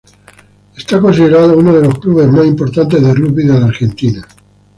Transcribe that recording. Es considerado uno de los clubes más importantes de rugby de la Argentina.